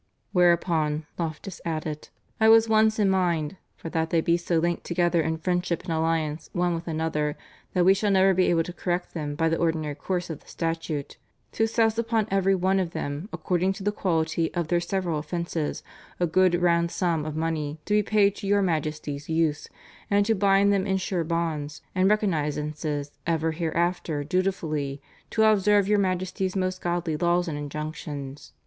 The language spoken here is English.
"Whereupon," Loftus added, "I was once in mind (for that they be so linked together in friendship and alliance one with another, that we shall never be able to correct them by the ordinary course of the statute) to cess upon every one of them, according to the quality of their several offences, a good round sum of money, to be paid to your Majesty's use, and to bind them in sure bonds and recognisances ever hereafter dutifully to observe your Majesty's most godly laws and injunctions.